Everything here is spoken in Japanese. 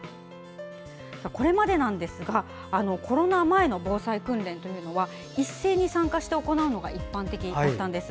これまで、コロナ前の防災訓練は一斉に参加して行うのが一般的だったんです。